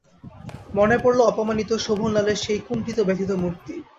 মনে পড়ল অপমানিত শোভনলালের সেই কুণ্ঠিত ব্যথিত মূর্তি।